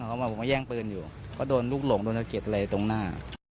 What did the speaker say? เขามาผมก็แย่งปืนอยู่ก็โดนลูกหลงโดนสะเก็ดอะไรตรงหน้า